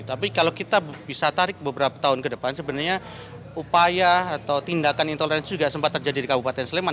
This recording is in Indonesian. tapi kalau kita bisa tarik beberapa tahun ke depan sebenarnya upaya atau tindakan intoleransi juga sempat terjadi di kabupaten sleman